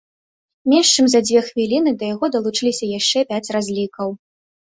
Менш чым за дзве хвіліны да яго далучыліся яшчэ пяць разлікаў.